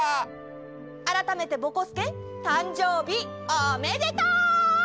あらためてぼこすけたんじょうびおめでとう！